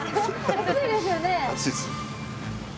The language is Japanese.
熱いです。